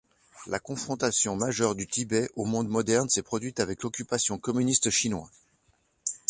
La confrontation majeur du Tibet au monde moderne s'est produite avec l'occupation communiste chinoise.